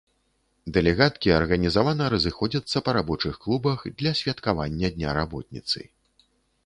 Дэлегаткі арганізавана разыходзяцца па рабочых клубах для святкавання дня работніцы.